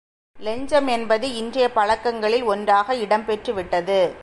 இலஞ்சம் என்பது இன்றைய பழக்கங்களில் ஒன்றாக இடம் பெற்றுவிட்டது.